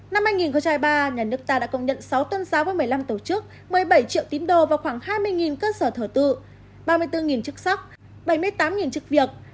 năm hai nghìn hai mươi ba nhà nước ta đã công nhận sáu tôn giáo với một mươi năm tổ chức một mươi bảy triệu tín đồ và khoảng hai mươi cơ sở thở tự ba mươi bốn chức sắc bảy mươi tám chức việc